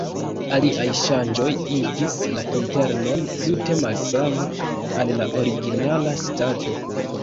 Aliaj ŝanĝoj igis la internon tute malsama al la originala stato.